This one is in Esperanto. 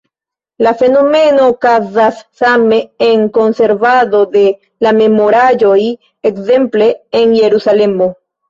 La fenomeno okazas same en konservado de la memoraĵoj, ekzemple en Jerusalemo.